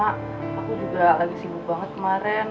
aku juga lagi sibuk banget kemarin